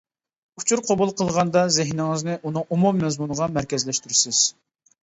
ئۇچۇر قوبۇل قىلغاندا زېھنىڭىزنى ئۇنىڭ ئومۇمىي مەزمۇنىغا مەركەزلەشتۈرىسىز.